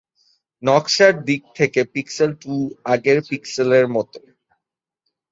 নকশার দিক থেকে পিক্সেল টু আগের পিক্সেলের মতো।